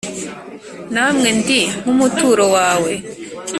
Namwe ndi nk'umuturo wawe